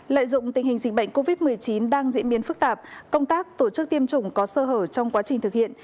lợi dụng tình hình dịch bệnh covid một mươi chín đang diễn biến phức tạp công tác tổ chức tiêm chủng có sơ hở trong quá trình thực hiện